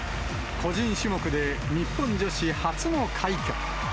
個人種目で日本女子初の快挙。